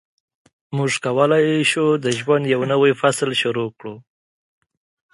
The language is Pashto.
موږ کولای شو د ژوند یو نوی فصل شروع کړو.